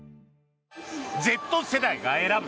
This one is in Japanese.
Ｚ世代が選ぶ